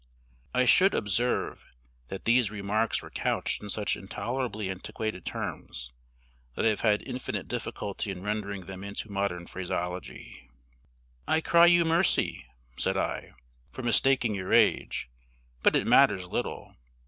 (I should observe that these remarks were couched in such intolerably antiquated terms, that I have had infinite difficulty in rendering them into modern phraseology.) "I cry you mercy," said I, "for mistaking your age; but it matters little.